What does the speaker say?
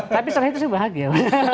tapi setelah itu saya bahagia